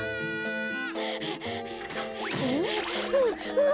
うわ！